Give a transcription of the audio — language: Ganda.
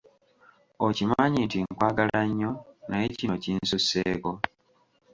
Okimanyi nti nkwagala nnyo naye kino kinsusseeko!